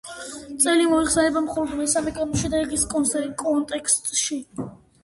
წელი მოიხსენიება მხოლოდ მესამე კანონში და ისიც კონტექსტში.